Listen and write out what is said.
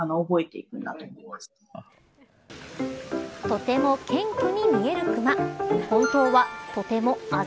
とても謙虚に見えるクマ